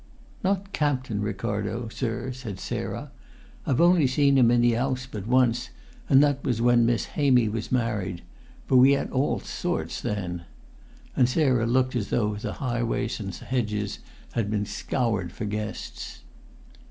"Not Captain Ricardo, sir," said Sarah. "I've only seen him in the 'ouse but once, and that was when Miss Hamy was married; but we 'ad all sorts then." And Sarah looked as though the highways and hedges had been scoured for guests.